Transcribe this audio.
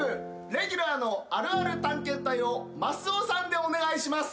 レギュラーの「あるある探検隊」をマスオさんでお願いします！